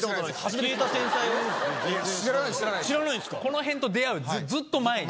この辺と出会うずっと前に。